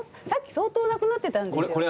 さっき相当なくなってたんですよ。